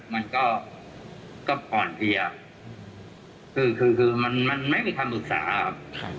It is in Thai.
มันก็อ่อนเพลียคือคือมันไม่มีคำปรึกษาครับ